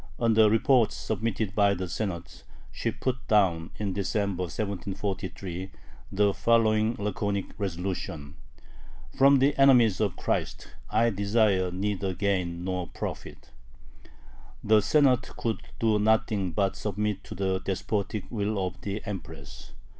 On the reports submitted by the Senate, she put down, in December, 1743, the following laconic resolution: "From the enemies of Christ I desire neither gain nor profit." The Senate could do nothing but submit to the despotic will of the Empress.